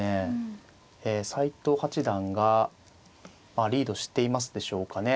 斎藤八段がリードしていますでしょうかね。